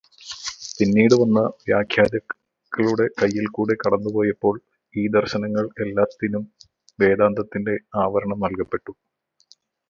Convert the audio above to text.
പിന്നീട് വന്ന വ്യാഖ്യാതാക്കളുടെ കൈയിൽകൂടെ കടന്നുപോയപ്പോൾ ഈ ദർശനങ്ങൾ എല്ലാറ്റിനും വേദാന്തത്തിന്റെ ആവരണം നൽകപെട്ടു.